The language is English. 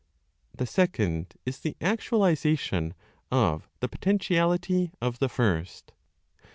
THE SECOND IS THE ACTUALIZATION OF THE POTENTIALITY OF THE FIRST.